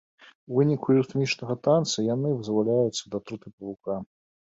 У выніку рытмічнага танцы яны вызваляюцца ад атруты павука.